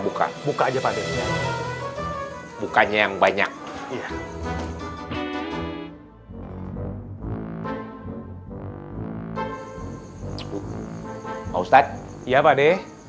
buka buka aja pakde bukanya yang banyak iya pak ustadz iya pakde